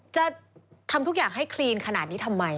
จะทำทุกอย่างให้คลีนขนาดนี้ทำไม